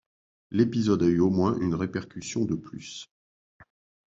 L'épisode a eu au moins une répercussion de plus.